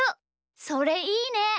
それいいね！